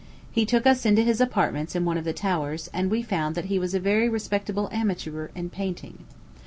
He took us into his apartments in one of the towers, and we found that he was a very respectable amateur in painting.